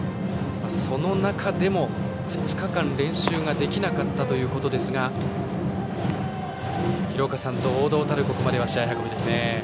その中でも２日間、練習ができなかったということですが廣岡さん、堂々たるここまでの試合運びですね。